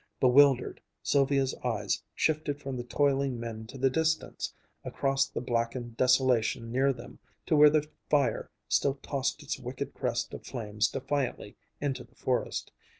Bewildered, Sylvia's eyes shifted from the toiling men to the distance, across the blackened desolation near them, to where the fire still tossed its wicked crest of flames defiantly into the forest.